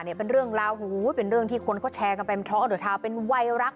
เนี่ยเป็นเรื่องราวหูเป็นเรื่องที่คนเขาแชร์กันไปเพราะอดทราบเป็นวัยรัก